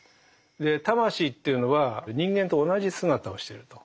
で魂というのは人間と同じ姿をしてると。